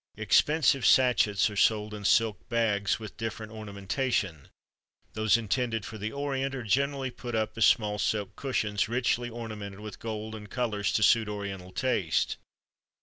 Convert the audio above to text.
Expensive sachets are sold in silk bags with different ornamentation; those intended for the Orient are generally put up as small silk cushions richly ornamented with gold and colors to suit Oriental taste.